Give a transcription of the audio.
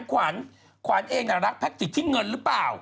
ขวานขวานเองอะรักแพทย์สิทธิ์ที่เงินหรือเปล่า